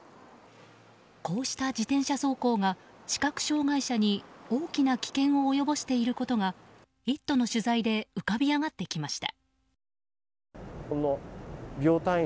こうした自転車走行が視覚障害者に大きな危険を及ぼしていることが「イット！」の取材で浮かび上がってきました。